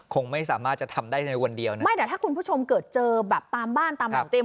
คงไม่สามารถจะทำได้ในวันเดียวนะไม่แต่ถ้าคุณผู้ชมเกิดเจอแบบตามบ้านตามหลังเต็